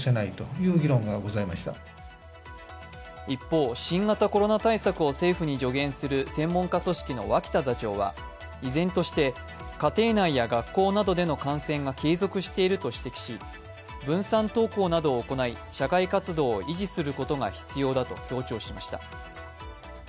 一方、新型コロナ対策を政府に助言する専門家組織の脇田座長は依然として家庭内や学校などでの感染が継続していると指摘し分散登校などを行い、社会活動を維持することが必要だと強調しました。